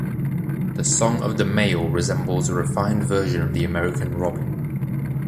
The song of the male resembles a refined version of the American robin.